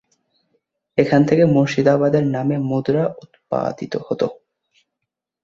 এখান থেকে মুর্শিদাবাদের নামে মুদ্রা উৎপাদিত হত।